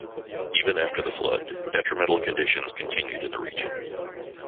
Even after the flood, detrimental conditions continued in the region.